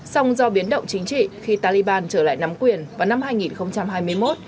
song do biến động chính trị khi taliban trở lại nắm quyền vào năm hai nghìn hai mươi một